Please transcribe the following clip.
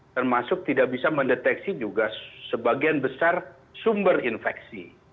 termasuk tidak bisa mendeteksi juga sebagian besar sumber infeksi